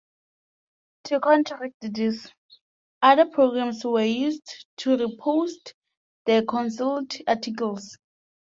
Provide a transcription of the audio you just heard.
To counteract this, other programs were used to repost the canceled articles.